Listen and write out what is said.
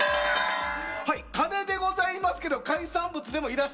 はい鉦でございますけど海産物でもいらっしゃいますカニ！